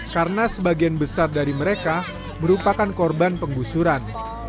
karena sebagian besar dari mereka merupakan korban penggusuran